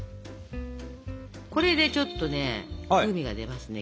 これでちょっとね風味が出ますね